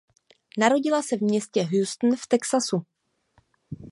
Narodila se v městě Houston v Texasu.